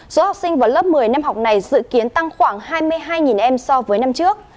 số học sinh vào lớp một mươi năm học này dự kiến tăng khoảng hai mươi hai em so với năm trước